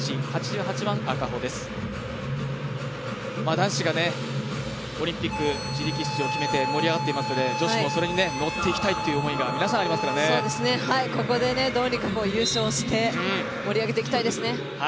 男子がオリンピック自力出場を決めて盛り上がっていますので女子も、それに乗っていきたい思いがここでどうにか優勝して盛り上げていきたいですね。